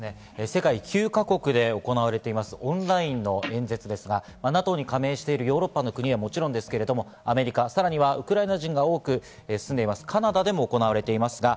世界９か国で行われています、オンラインの演説ですが、ＮＡＴＯに加盟しているヨーロッパの国はもちろん、アメリカ、さらにはウクライナ人が多く住んでいるカナダでも行われてます。